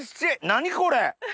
何これ。